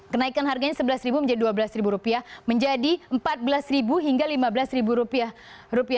kenaikan harganya rp sebelas menjadi rp dua belas menjadi rp empat belas hingga rp lima belas